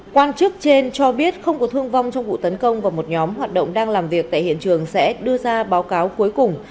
quan chức trên cho biết không có thương vong trong vụ tấn công vào một nhóm hoạt động đang làm việc tại hiện trường sẽ đưa ra báo cáo cuối cùng